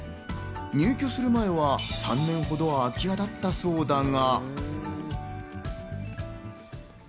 入居する前は３年ほど空き家だったそうだが。